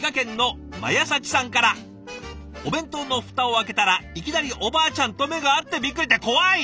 「お弁当のフタを開けたらいきなりおばあちゃんと目が合ってビックリ！」って怖い！